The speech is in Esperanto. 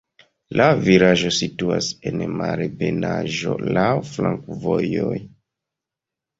La vilaĝo situas en malebenaĵo, laŭ flankovojoj.